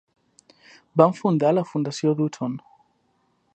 Van fundar la Fundació Dutton.